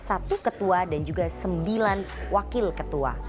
satu ketua dan juga sembilan wakil ketua